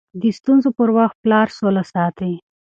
د ستونزو پر وخت پلار سوله ساتي.